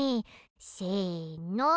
せの。